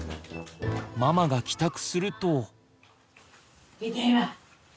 ママが帰宅すると。